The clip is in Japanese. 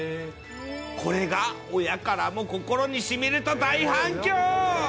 これが、親からも心にしみると大反響。